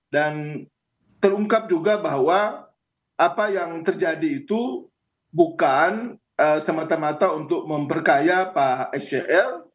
dan terungkap juga bahwa apa yang terjadi itu bukan semata mata untuk memperkaya pak sgl